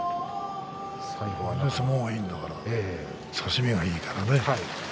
それで相撲がいいんだからね差し身がいいからね。